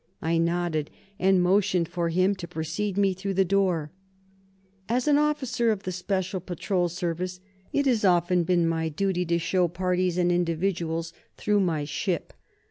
I nodded, and motioned for him to precede me through the door. As an officer of the Special Patrol Service, it has often been my duty to show parties and individuals through my ship.